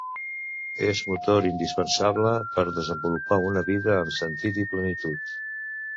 És motor indispensable per desenvolupar una vida amb sentit i plenitud.